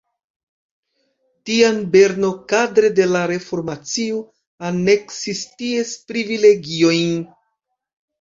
Tiam Berno kadre de la reformacio aneksis ties privilegiojn.